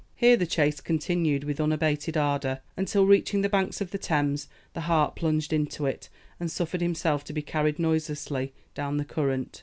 Here the chase continued with unabated ardour, until, reaching the banks of the Thames, the hart plunged into it, and suffered himself to be carried noiselessly down the current.